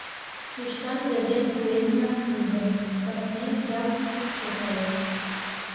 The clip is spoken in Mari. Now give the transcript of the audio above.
Тӱшкан йыген пуэнна пужым, кыртмен ялт кутко гае.